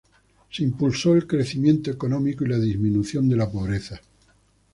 Se impulsó el crecimiento económico y la disminución de la pobreza.